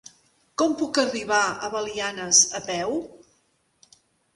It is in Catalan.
Com puc arribar a Belianes a peu?